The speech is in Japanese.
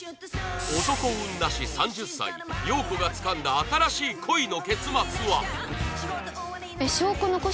男運なし３０歳洋子がつかんだ新しい恋の結末は？